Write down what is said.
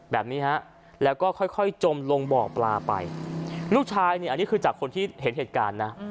แบบนี้ฮะแล้วก็ค่อยจมลงบ่อปลาไปลูกชายเนี่ยอันนี้คือจากคนที่เห็นเหตุการณ์นะ